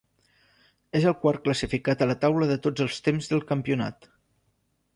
És el quart classificat a la taula de tots els temps del campionat.